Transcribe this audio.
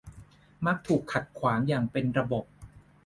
มักถูกขัดขวางอย่างเป็นระบบ